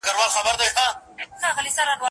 ما لیدې د کړاکړ په تورو غرو کي